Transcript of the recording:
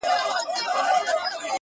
• اوس مي د سپين قلم زهره چاودلې.